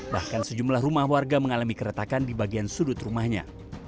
bahkan sejumlah rumah warga mengalami keretakan di bagian sudut rumahnya